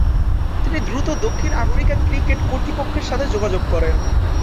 তিনি দ্রুত দক্ষিণ আফ্রিকা ক্রিকেট কর্তৃপক্ষের সাথে যোগাযোগ করেন।